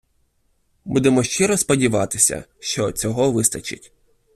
Будемо щиро сподіватися, що цього вистачить.